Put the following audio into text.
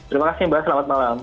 terima kasih mbak selamat malam